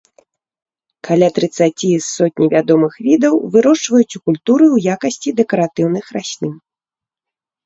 Каля трыццаці з сотні вядомых відаў вырошчваюць у культуры ў якасці дэкаратыўных раслін.